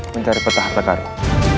mencari peta harta karun